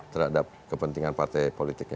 terhadap kepentingan partai politiknya